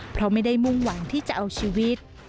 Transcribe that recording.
เพราะไม่ได้มุ่งหวังที่จะเอาชีวิต